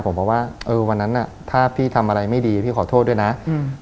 ผมบอกว่าเออวันนั้นน่ะถ้าพี่ทำอะไรไม่ดีพี่ขอโทษด้วยนะอืม